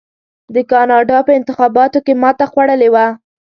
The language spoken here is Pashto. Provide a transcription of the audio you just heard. د کاناډا په انتخاباتو کې ماته خوړلې وه.